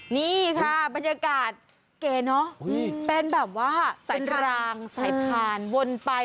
นี่ค่ะบรรยากาศเก๋เนอะเป็นแบบว่าเป็นรางใส่ผ่านวนไป